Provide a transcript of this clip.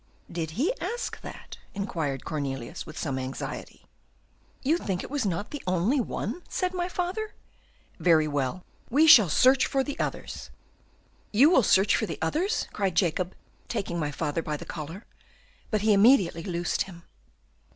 '" "Did he ask that?" inquired Cornelius, with some anxiety. "'You think it was not the only one?' said my father. 'Very well, we shall search for the others.' "'You will search for the others?' cried Jacob, taking my father by the collar; but he immediately loosed him.